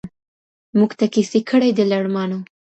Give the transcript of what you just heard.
موږ ته کیسې کړي د لړمانو